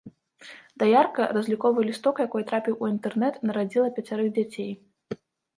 Даярка, разліковы лісток якой трапіў у інтэрнэт, нарадзіла пяцярых дзяцей.